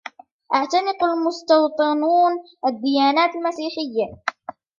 أعتنق المستوطنون الديانة المسيحيّىة.